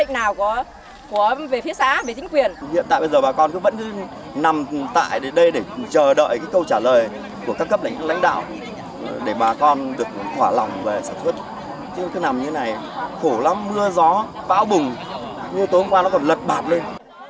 chứ cứ nằm như thế này khổ lắm mưa gió bão bùng như tối hôm qua nó còn lật bạp lên